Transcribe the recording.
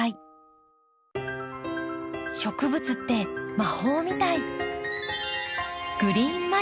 植物って魔法みたい。